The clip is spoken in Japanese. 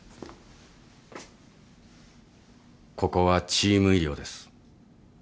ここはチーム医療です。